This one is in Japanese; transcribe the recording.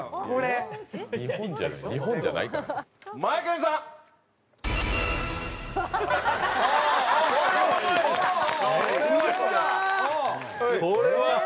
これは。